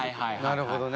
なるほどね。